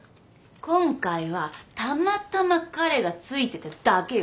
今回はたまたま彼がついてただけよ。